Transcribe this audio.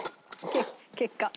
結果。